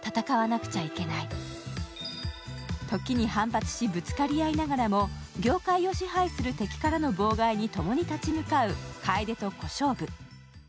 ときに反発し、ぶつかり合いながらも業界を支配する敵からの妨害にともに立ち向かう、楓と小勝負。